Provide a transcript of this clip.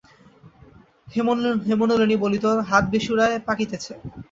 হেমনলিনী বলিত, হাত বেসুরায় পাকিতেছে।